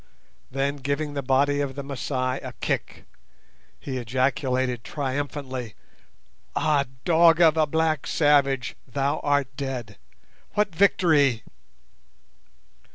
Then, giving the body of the Masai a kick, he ejaculated triumphantly, "Ah, dog of a black savage, thou art dead; what victory!"